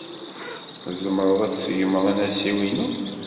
Tzemreḍ ad tseggmeḍ anasiw-inu?